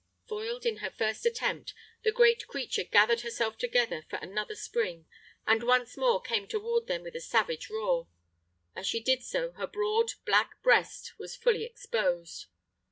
Foiled in her first attempt, the great creature gathered herself together for another spring, and once more came toward them with a savage roar. As she did so her broad, black breast was fully exposed.